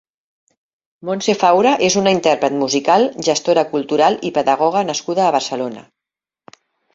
Montse Faura és una intèrpret musical, gestora cultural i pedagoga nascuda a Barcelona.